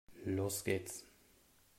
Los geht's!